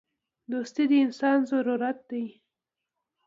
• دوستي د انسان ضرورت دی.